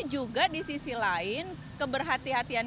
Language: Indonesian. juga di sisi lain keberhati hatian